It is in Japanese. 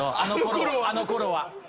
あのころは。